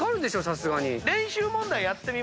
さすがに。